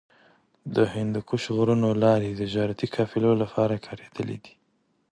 د هندوکش غرونو لارې د تجارتي قافلو لپاره کارېدلې دي.